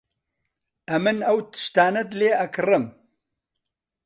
ئەمن ئەو تشتانەت لێ ئەکڕم.